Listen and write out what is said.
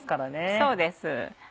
そうです。